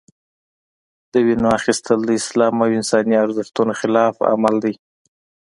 د وینو اخیستل د اسلام او انساني ارزښتونو خلاف عمل دی.